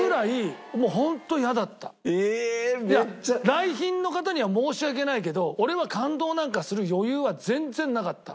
来賓の方には申し訳ないけど俺は感動なんかする余裕は全然なかった。